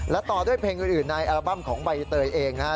และต่อด้วยเพลงอื่นในอัลบั้มของใบเตยเองนะฮะ